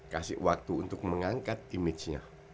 kasih waktu untuk mengangkat image nya